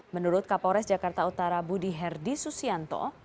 menurut kapolres jakarta utara budi herdi susianto